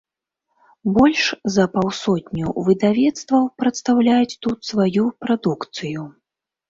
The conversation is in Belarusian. Больш за паўсотню выдавецтваў прадстаўляюць тут сваю прадукцыю.